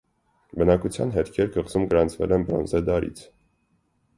Բնակության հետքեր կղզում գրանցվել են բրոնզե դարից։